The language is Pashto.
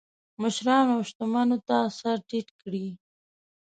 مشرانو او شتمنو ته سر ټیټ کړي.